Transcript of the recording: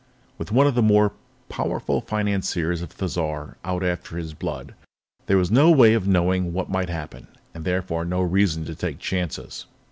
With one of the most powerful financiers on Thizar out after his blood, there was no way of knowing what might happen, and therefore no reason to take chances.